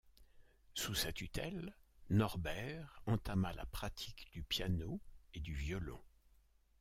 Sous sa tutelle, Norbert entama la pratique du piano et du violon.